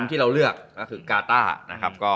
ที่เราเลือกก็คือการต้า